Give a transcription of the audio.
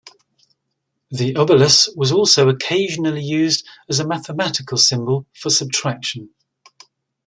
The obelus was also occasionally used as a mathematical symbol for subtraction.